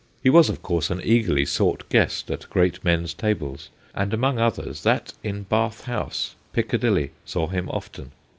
He was, of course, an eagerly sought guest at great men's tables, and among others, that in Bath House, Piccadilly, saw him often.